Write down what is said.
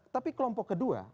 tapi kelompok kedua